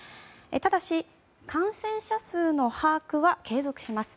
ただし、感染者数の把握は継続します。